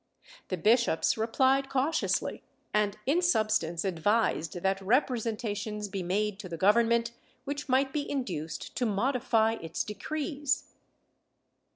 The bishops replied cautiously, and in sub stance advised that representations be made to the Government, which might be induced to modify its decrees.